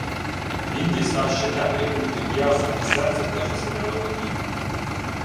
Він дістав ще теплий круглий м'яз, і серце теж уселяло надію.